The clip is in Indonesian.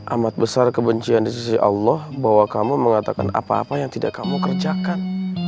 amat besar kebencian di sisi allah bahwa kamu mengatakan apa apa yang tidak kamu kerjakan